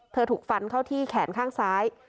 ถูกฟันเข้าที่แขนข้างซ้าย